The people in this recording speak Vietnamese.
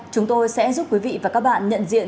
chúng tôi sẽ giúp quý vị và các bạn nhận diện